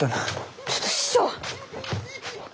ちょっと師匠！